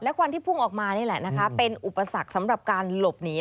ควันที่พุ่งออกมานี่แหละนะคะเป็นอุปสรรคสำหรับการหลบหนี